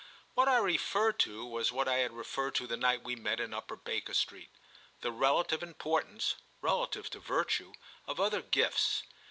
What I referred to was what I had referred to the night we met in Upper Baker Street—the relative importance (relative to virtue) of other gifts.